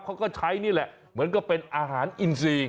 เขาก็ใช้นี่แหละเหมือนกับเป็นอาหารอินซี